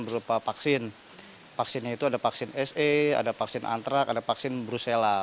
berupa vaksin vaksinnya itu ada vaksin sa ada vaksin antrak ada vaksin brusella